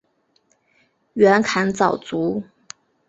袁侃早卒。